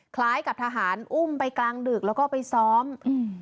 คล้ายกับทหารอุ้มไปกลางดึกแล้วก็ไปซ้อมอืม